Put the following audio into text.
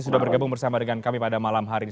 sudah bergabung bersama dengan kami pada malam hari ini